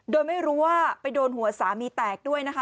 โดยไม่รู้ว่าไปโดนหัวสามีแตกด้วยนะคะ